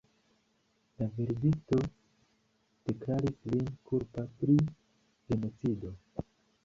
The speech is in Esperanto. La verdikto deklaris lin kulpa pri genocido.